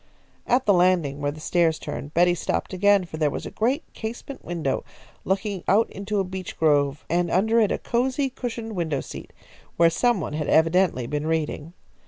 At the landing where the stairs turned, Betty stopped again, for there was a great casement window looking out into a beech grove, and under it a cosy cushioned window seat, where some one had evidently been reading.